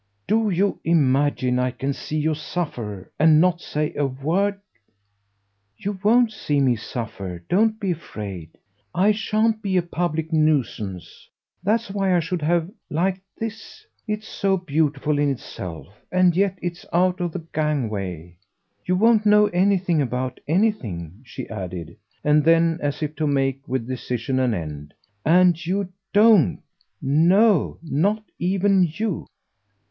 "Do you imagine I can see you suffer and not say a word?" "You won't see me suffer don't be afraid. I shan't be a public nuisance. That's why I should have liked THIS: it's so beautiful in itself and yet it's out of the gangway. You won't know anything about anything," she added; and then as if to make with decision an end: "And you DON'T! No, not even you."